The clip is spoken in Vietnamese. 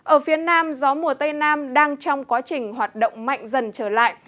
ở phía nam gió mùa tây nam đang trong quá trình hoạt động mạnh dần trở lại